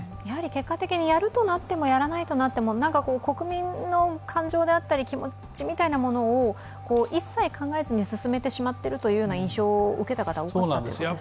結果的にやるとなってもやらないとなっても、国民の感情であったり、気持ちみたいなものを一切考えずに進めてしまってるというような印象を受けた方も多かったんでしょうかね。